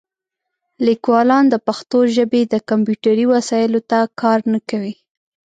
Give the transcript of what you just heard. لیکوالان د پښتو ژبې د کمپیوټري وسایلو ته کار نه کوي.